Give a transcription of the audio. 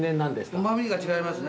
◆うまみが違いますね。